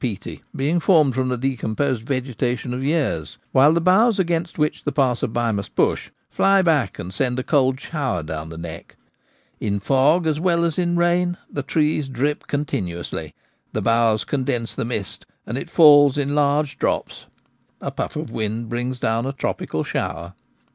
peaty, being formed from the decomposed vegetation of years ; while the boughs against which the passer by must push fly back and send a cold shower down the neck. In fog as well as in rain the trees drip con tinuously ; the boughs condense the mist and it falls in large drops — a puff of wind brings down a tropical shower.